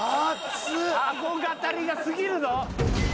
阿呆語りが過ぎるぞ。